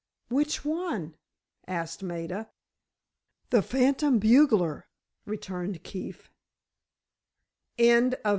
"Which one?" asked Maida. "The Phantom Bugler," returned Keefe.